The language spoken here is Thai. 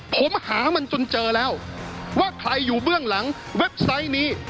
ผมหามันจนเจอแล้วว่าใครอยู่เบื้องหลังเว็บไซต์นี้